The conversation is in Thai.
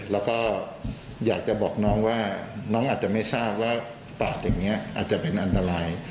แล้วก็อยากจะบอกน้องว่าน้องอาจจะไม่ทราบว่าปากอย่างนี้อาจจะเป็นอันตราย